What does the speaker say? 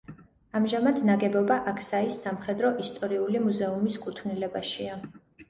ამჟამად ნაგებობა აქსაის სამხედრო-ისტორიული მუზეუმის კუთვნილებაშია.